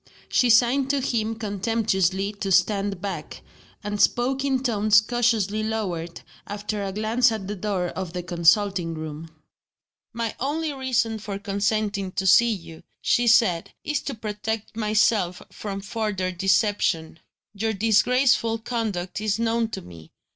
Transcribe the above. She signed to him contemptuously to stand back and spoke in tones cautiously lowered, after a glance at the door of the consulting room. "My only reason for consenting to see you," she said, "is to protect myself from further deception. Your disgraceful conduct is known to me.